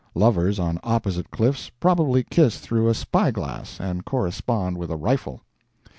Lovers on opposite cliffs probably kiss through a spy glass, and correspond with a rifle.